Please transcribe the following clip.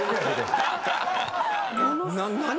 何？